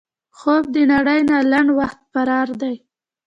خوب د نړۍ نه لنډ وخت فرار دی